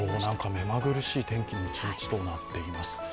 目まぐるしい天気の一日となっています。